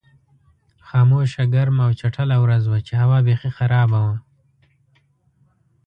خاموشه، ګرمه او چټله ورځ وه چې هوا بېخي خرابه وه.